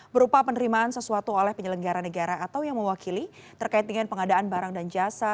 berupa penerimaan sesuatu oleh penyelenggara negara atau yang mewakili terkait dengan pengadaan barang dan jasa